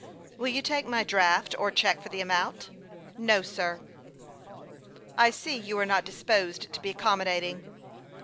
" Will you take my draft or check for the amount?" " No, sir." " I see you are not disposed to be accommodating."